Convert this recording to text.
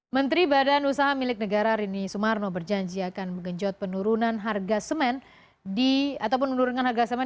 menteri badan usaha milik negara rini sumarno berjanji akan mengenjot penurunan harga semen